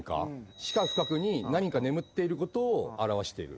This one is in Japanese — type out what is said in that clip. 地下深くに何か眠っていることを表している。